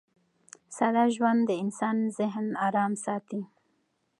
ساده ژوند د انسان ذهن ارام ساتي.